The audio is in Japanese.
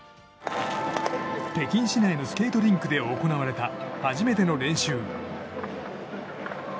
北京市内のスケートリンクで行われた初めての練習。